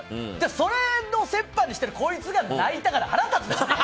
それの折半にしているこいつが泣いたから腹立つんですよ。